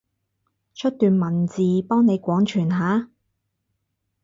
出段文字，幫你廣傳下？